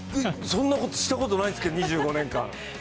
そんなことしたことないですけど、２５年間。